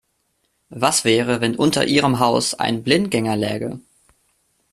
Was wäre, wenn unter Ihrem Haus ein Blindgänger läge?